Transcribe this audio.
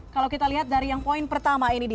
kalau kita lihat dari yang poin pertama ini dia